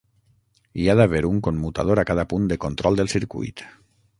Hi ha d'haver un commutador a cada punt de control del circuit.